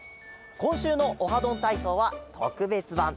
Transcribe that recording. こんしゅうの「オハどんたいそう」はとくべつばん。